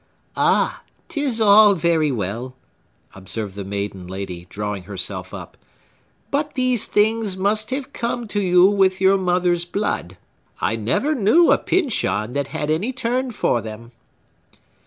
"Ah! 'tis all very well!" observed the maiden lady, drawing herself up. "But these things must have come to you with your mother's blood. I never knew a Pyncheon that had any turn for them."